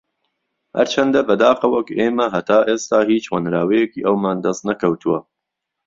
ھەرچەندە بەداخەوە کە ئێمە ھەتا ئێستا ھیچ ھۆنراوەیەکی ئەومان دەست نەکەوتووە